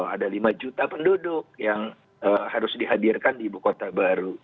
ada lima juta penduduk yang harus dihadirkan di ibu kota baru